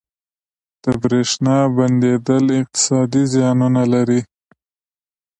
• د برېښنا بندیدل اقتصادي زیانونه لري.